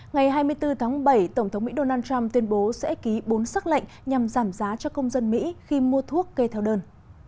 ngày hai mươi bốn tháng bảy tổng thống mỹ donald trump tuyên bố sẽ ký bốn sắc lệnh nhằm giảm giá cho công dân mỹ khi mua thuốc kê theo đơn